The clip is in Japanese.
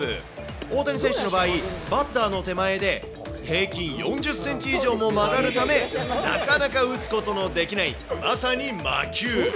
大谷選手の場合、バッターの手前で平均４０センチ以上も曲がるため、なかなか打つことのできないまさに魔球。